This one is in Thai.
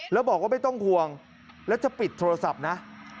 แล้วบอกว่าไม่ต้องห่วงแล้วจะปิดโทรศัพท์นะ